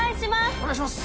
お願いします！